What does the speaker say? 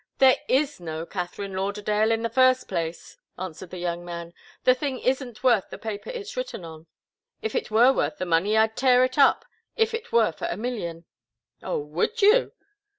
"There is no Katharine Lauderdale, in the first place," answered the young man. "The thing isn't worth the paper it's written on. If it were worth money, I'd tear it up if it were for a million." "Oh would you?"